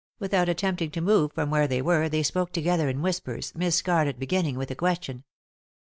Without attempting to move from where they were they spoke together in whispers, Miss Scarlett beginning with a question.